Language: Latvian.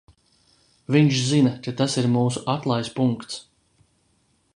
Viņš zina, ka tas ir mūsu aklais punkts!